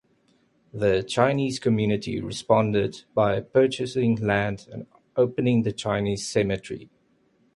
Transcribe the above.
The Chinese community responded by purchasing land and opening the Chinese Cemetery.